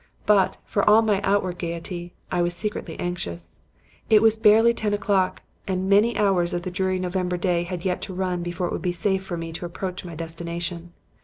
But, for all my outward gaiety, I was secretly anxious. It was barely ten o'clock and many hours of the dreary November day had yet to run before it would be safe for me to approach my destination.